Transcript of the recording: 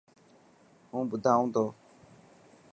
هون ٻڌائون تو.